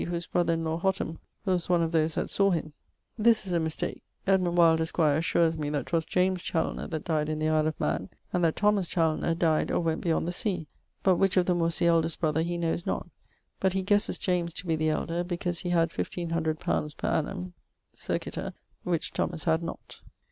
whose brother in lawe, ... Hotham, was one of those that sawe him. [XLIII.] This is a mistake. E W esq. assures me that 'twas JAMES CHALONER that dyed in the Isle of Man: and that THOMAS CHALONER dyed or went beyond the sea; but which of them was the eldest brother he knowes not, but he ghesses JAMES to be the elder, because he had 1500 li. per annum (circiter), which THOMAS had not.